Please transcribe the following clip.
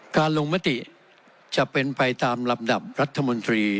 ลงมติจะเป็นไปตามลำดับรัฐมนตรี